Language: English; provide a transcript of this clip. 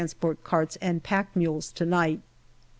T. carts and pack mules to night.